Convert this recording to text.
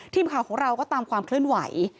ทีมข่าวของเราก็ตามความเคลื่อนไหว